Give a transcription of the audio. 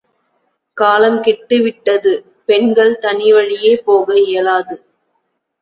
காலம்கெட்டு விட்டது, பெண்கள் தனிவழியே போக இயலாது.